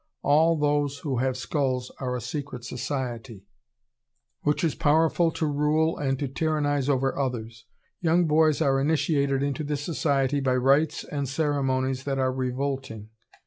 All those who have skulls are a secret society, which is powerful to rule and to tyrannize over others. Young boys are initiated into this society by rites and ceremonies that are revolting....